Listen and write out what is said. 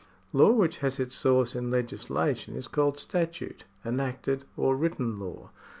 Law which has its source in legislation is called statute, enacted, or written law.